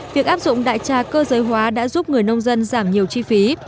việc áp dụng đại trà cơ giới hóa đã giúp người nông dân giảm nhiều chi phí